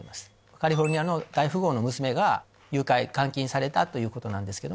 カリフォルニアの大富豪の娘が誘拐監禁されたということなんですけども。